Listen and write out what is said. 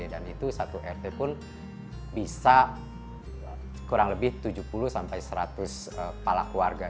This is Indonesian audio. dan itu satu rt pun bisa kurang lebih tujuh puluh sampai seratus pala keluarga